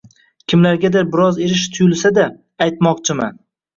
Kimlargadir biroz erish tuyulsa-da, aytmoqchiman